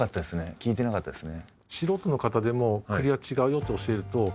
聞いてなかったですね。